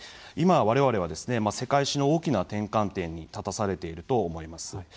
今われわれは世界史の大きな転換点に立たされていると思います。